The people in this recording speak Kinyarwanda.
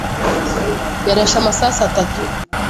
Yarashe amasasu atatu.